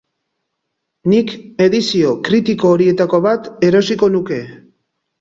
Nik edizio kritiko horietako bat erosiko nuke.